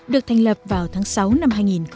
được thành lập vào tháng sáu năm hai nghìn một mươi